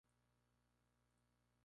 Inmigración alemana en Colombia